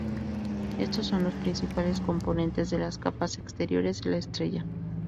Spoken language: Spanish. Estos son los principales componentes de las capas exteriores de la estrella.